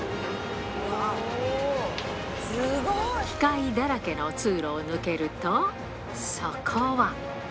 機械だらけの通路を抜けると、そこは。